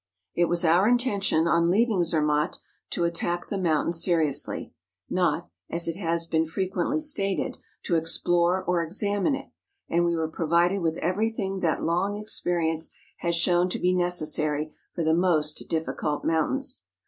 It was our intention on leaving Zermatt to at¬ tack the mountain seriously,—not, as it has been frequently stated, to explore or examine it,—and we were provided with everything that long experi¬ ence has shown to be necessary for the most difficult mountains.